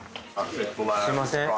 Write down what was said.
すいません